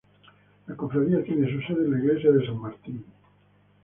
La cofradía tiene su sede en la iglesia de San Martín.